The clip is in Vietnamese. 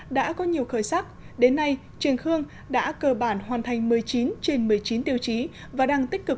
đã có nhiều khởi sắc đến nay trường khương đã cơ bản hoàn thành một mươi chín trên một mươi chín tiêu chí và đang tích cực